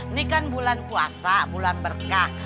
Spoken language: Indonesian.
ini kan bulan puasa bulan berkah